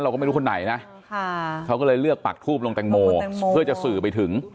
เราก็ไม่รู้คนไหนนะเขาก็เลยเลือกปักทูบลงแตงโมเพื่อจะสื่อไปถึง